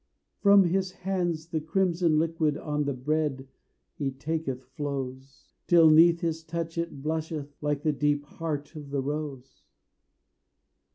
"From his hands the crimson liquid, On the bread he taketh, flows Till beneath his touch it blusheth Like the deep heart of the rose!"